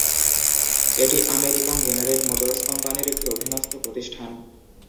এটি American General Motors কোম্পানির একটি অধীনস্থ প্রতিষ্ঠান।